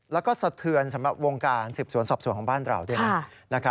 แล้วก็สะเทือนสำหรับวงการสืบสวนสอบสวนของบ้านเราด้วยนะ